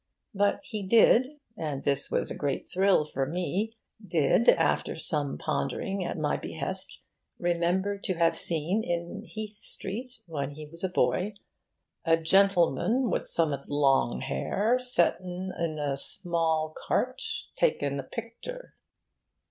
But he did and this was a great thrill for me did, after some pondering at my behest, remember to have seen in Heath Street, when he was a boy, 'a gen'leman with summut long hair, settin' in a small cart, takin' a pictur'.